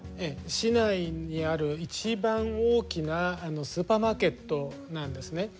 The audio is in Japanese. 市内にある一番大きなスーパーマーケットなんですね。